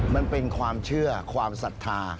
มันเป็นความเชื่อความศรัทธา